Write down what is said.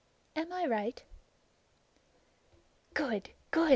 Am I right?" "Good! Good!"